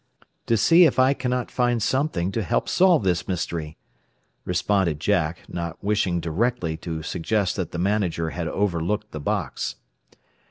"To see if I cannot find something to help solve this mystery," responded Jack, not wishing directly to suggest that the manager had overlooked the box.